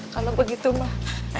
kalo begitu mah